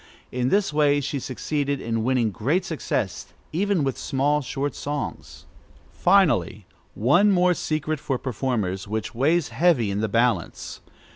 In this way she succeeded in winning great success, even with small, short songs. Finally, one more secret for performers, which weighs heavy in the balance.